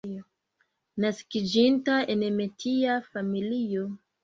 Naskiĝinta en metia familio.